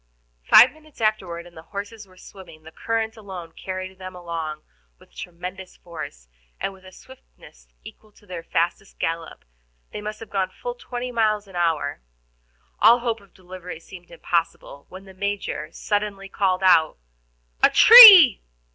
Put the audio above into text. Five minutes afterward, and the horses were swimming; the current alone carried them along with tremendous force, and with a swiftness equal to their fastest gallop; they must have gone fully twenty miles an hour. All hope of delivery seemed impossible, when the Major suddenly called out: "A tree!"